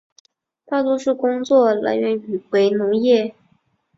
大多数工作来源为农业。